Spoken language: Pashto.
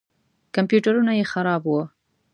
کمپیوټرونه یې خراب وو.